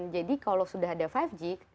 jadi kalau sudah ada lima g